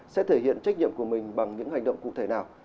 sẽ thể hiện trách nhiệm của mình bằng những hành động cụ thể nào